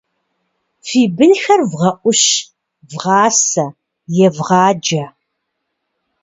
Фи бынхэр вгъэӀущ, вгъасэ, евгъаджэ.